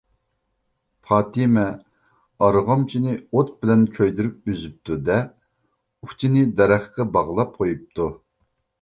پاتىمە ئارغامچىنى ئوت بىلەن كۆيدۈرۈپ ئۈزۈپتۇ-دە، ئۇچىنى دەرەخكە باغلاپ قويۇپتۇ.